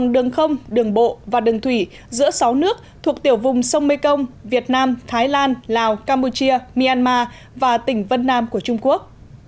đường không đường bộ và đường thủy giữa sáu nước thuộc tiểu vùng sông mekong việt nam thái lan lào campuchia myanmar và tỉnh vân nam của trung quốc